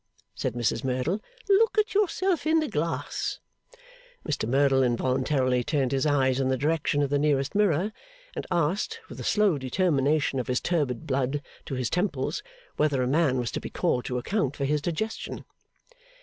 said Mrs Merdle. 'Look at yourself in the glass.' Mr Merdle involuntarily turned his eyes in the direction of the nearest mirror, and asked, with a slow determination of his turbid blood to his temples, whether a man was to be called to account for his digestion?